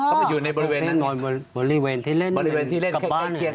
ก็ไม่อยู่ในบริเวณนั้นเนี่ยบริเวณที่เล่นกลับบ้านเนี่ย